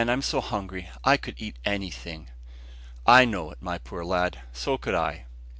I'm so hungry; I could eat anything." "I know it, my poor lad; so could I."